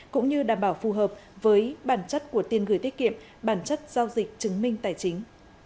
cũng như đảm bảo phù hợp với bản chất của tiền gửi tiết kiệm bản chất giao dịch chứng minh tài chính